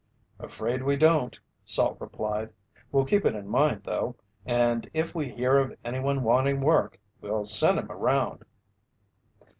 "Afraid we don't," Salt replied. "We'll keep it in mind though, and if we hear of anyone wanting work, we'll send him around."